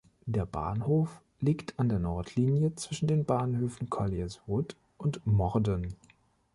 Der Bahnhof liegt an der Nordlinie zwischen den Bahnhöfen Colliers Wood und Morden.